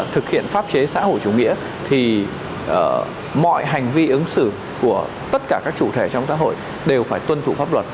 thực hiện pháp chế xã hội chủ nghĩa thì mọi hành vi ứng xử của tất cả các chủ thể trong xã hội đều phải tuân thủ pháp luật